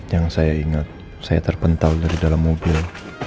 yang saya ingat saya terpental dari dalam mobil